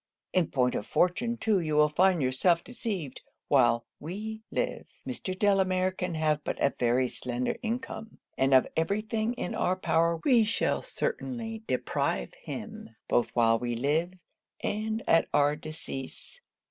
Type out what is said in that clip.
In point of fortune too you will find yourself deceived while we live, Mr. Delamere can have but a very slender income; and of every thing in our power we shall certainly deprive him, both while we live, and at our decease.